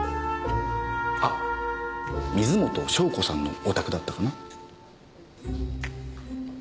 あっ水元湘子さんのお宅だったかな。